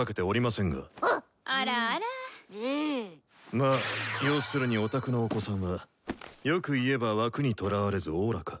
まあ要するにお宅のお子さんはよく言えば枠にとらわれずおおらか。